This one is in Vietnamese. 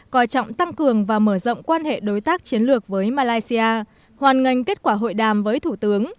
coi trọng tăng cường và mở rộng quan hệ đối tác chiến lược với malaysia hoàn ngành kết quả hội đàm với thủ tướng